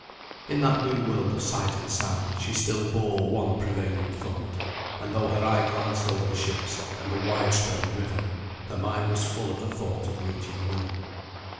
In that new world of sight and sound, she still bore one prevailing thought, and though her eye glanced over the ships and the wide spreading river, her mind was full of the thought of reaching Will.